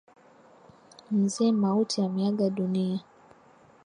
Mzee Mauti ameaga dunia.